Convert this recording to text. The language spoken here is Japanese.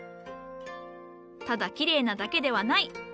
ただきれいなだけではない。